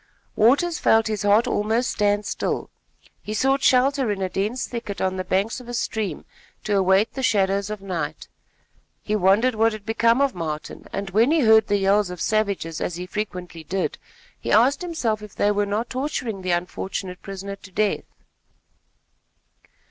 Waters felt his heart almost stand still. He sought shelter in a dense thicket on the banks of a stream to await the shadows of night. He wondered what had become of Martin, and when he heard the yells of savages as he frequently did, he asked himself if they were not torturing the unfortunate prisoner to death.